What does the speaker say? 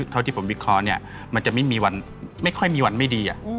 เท่าที่ผมวิเคราะห์เนี่ยมันจะไม่ค่อยมีวันไม่ดี